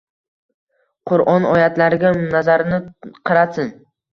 Qur’on oyatlariga nazarini qaratsin